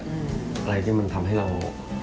อะไรที่มันทำให้เรา